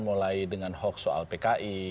mulai dengan hoax soal pki